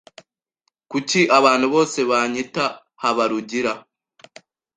Kuki abantu bose banyita Habarugira?